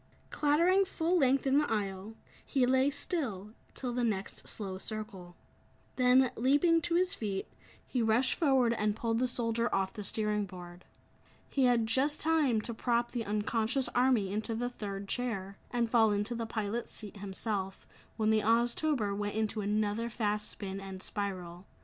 Clattering full length in the aisle, he lay still, till the next slow circle. Then, leaping to his feet, he rushed forward and pulled the soldier off the steering board. He had just time to prop the unconscious army into the third chair, and fall into the pilot's seat himself, when the Oztober went into another fast spin and spiral.